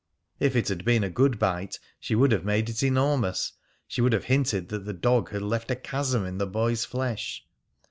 If it had been a good bite, she would have made it enormous; she would have hinted that the dog had left a chasm in the boy's flesh.